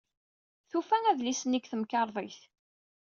Tufa adlis-nni deg temkarḍit.